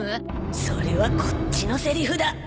それはこっちのセリフだ！